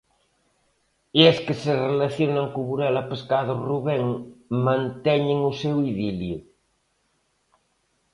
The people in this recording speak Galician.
E as que se relacionan co Burela Pescados Rubén manteñen o seu idilio.